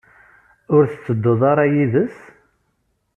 Ur tettedduḍ ara yid-s?